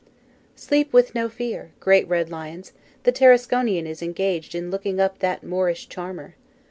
Sleep with no fear, great red lions, the Tarasconian is engaged in looking up that Moorish charmer.